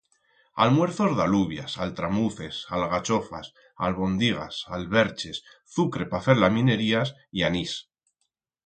Almuerzos d'alubias, altramuces, algachofas, albondigas, alberches, zucre pa fer laminerias y anís.